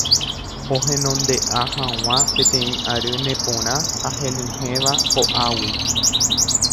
ohenonde'a hag̃ua peteĩ ary neporã ha henyhẽva po'águi